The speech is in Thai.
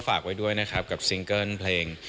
ฝากไว้ด้วยนะครับกับซิงเกิ้ลเพลง